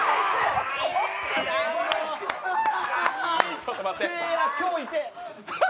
ちょっと待って。